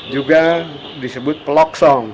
juga disebut pelok song